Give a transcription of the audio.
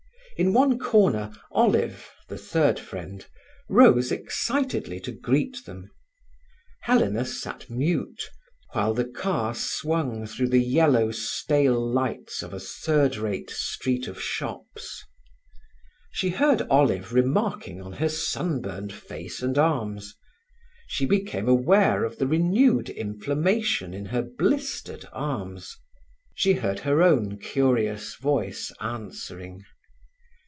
In one corner Olive, the third friend, rose excitedly to greet them. Helena sat mute, while the car swung through the yellow, stale lights of a third rate street of shops. She heard Olive remarking on her sunburned face and arms; she became aware of the renewed inflammation in her blistered arms; she heard her own curious voice answering.